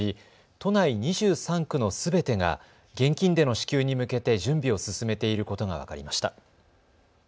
都内２３区のすべてが現金での支給に向けて準備を進めていることが分かりました。